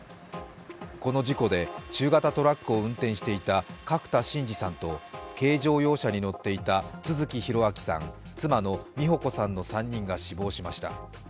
この事故で中型トラックを運転していた角田進治さんと軽乗用車に乗っていた都築弘明さん、妻の美保子さんの３人が死亡しました。